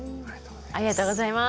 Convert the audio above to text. ありがとうございます。